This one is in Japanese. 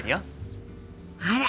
あら！